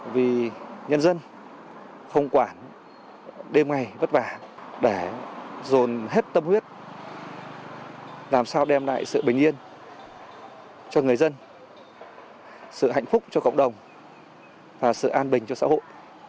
vì nhân dân không quản đêm ngày vất vả để dồn hết tâm huyết làm sao đem lại sự bình yên cho người dân sự hạnh phúc cho cộng đồng và sự an bình cho xã hội